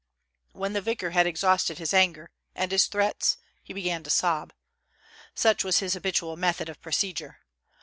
'' When the vicar had exhausted his anger and his threats, he began to sob. Such was his habitual method of procedure.